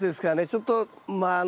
ちょっとまあ。